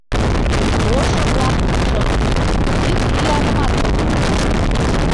Ошо-влак шып: йӱк-йӱанымат огыт пу.